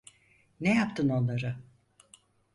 Ne yaptın onlara?